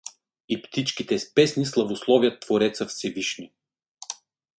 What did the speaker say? И птичките с песни славословят твореца всевивишни.